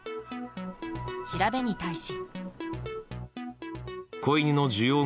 調べに対し。